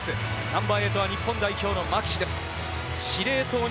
ナンバー８は日本代表のマキシです。